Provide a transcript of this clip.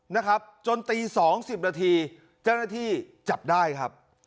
นะครับจนตี๒๐นาทีเจ้าหน้าที่จับได้ครับ